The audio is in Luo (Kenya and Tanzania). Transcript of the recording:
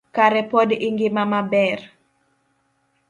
Kare pod ingima maber.